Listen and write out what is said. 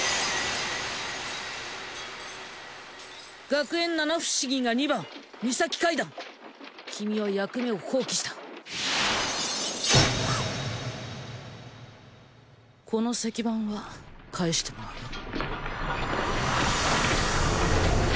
学園七不思議が二番ミサキ階段君は役目を放棄したこの席番は返してもらうよ